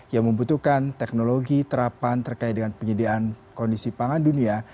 yang membutuhkan teknologi terapan terkait dengan penyediaan kondisi pangan dunia